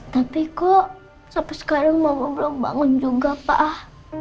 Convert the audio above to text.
tapi kok sampai sekarang mama belum bangun juga pak ah